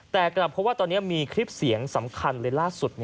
แต่กลับเพราะว่าตอนนี้มีคลิปเสียงสำคัญเลยล่าสุด